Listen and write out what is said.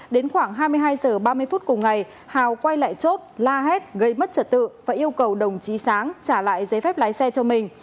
đến khoảng hai mươi hai h ba mươi phút cùng ngày hào quay lại chốt la hét gây mất trật tự và yêu cầu đồng chí sáng trả lại giấy phép lái xe cho mình